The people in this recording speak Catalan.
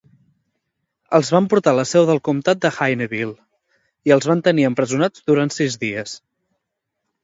Els van portar a la seu del comtat de Hayneville i els van tenir empresonats durant sis dies.